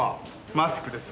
マスクです。